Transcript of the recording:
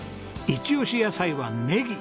イチオシ野菜はネギ！